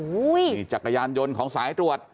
นี่จักรยานยนต์ของสายตรวจ